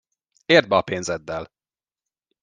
Érd be a pénzeddel!